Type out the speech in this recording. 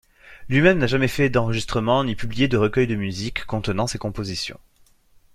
Lui-même n'a jamais fait d'enregistrement, ni publié de recueil de musique contenant ses compositions.